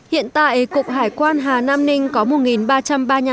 hiện tại cục hải quan hà nam ninh có một doanh nghiệp